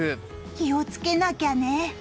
気をつけなきゃね。